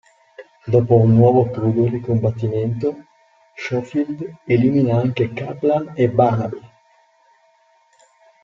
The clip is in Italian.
Dopo un nuovo crudele combattimento, Schofield elimina anche Kaplan e Barnaby.